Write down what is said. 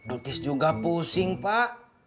atis juga pusing pak